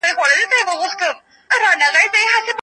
انسان باید له خپل چاپیریال سره جوړ سي.